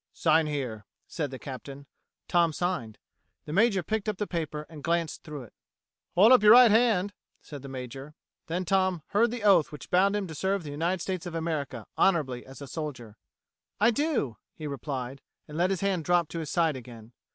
"Sign here," said the Captain. Tom signed. The Major picked up the paper and glanced through it. "Hold up your right hand," said the Major. Then Tom heard the oath which bound him to serve the United States of America honorably as a soldier. "I do," he replied, and let his hand drop to his side again.